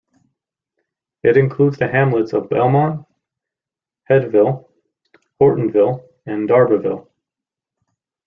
It includes the hamlets of Belmont, Healdville, Hortonville, and Tarbellville.